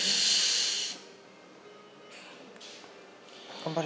頑張れ。